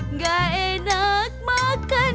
nggak enak makan